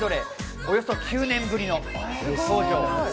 およそ９年ぶりの登場です。